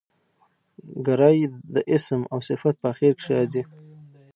ګری د اسم او صفت په آخر کښي راځي.